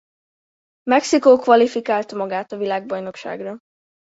Mexikó kvalifikálta magát a világbajnokságra.